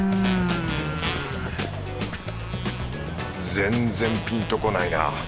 全然ピンとこないな。